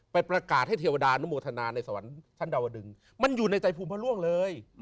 ไปประกาศให้เทวดานุโมทนาในสวรรค์ชั้นดาวดึงมันอยู่ในใจภูมิพระร่วงเลย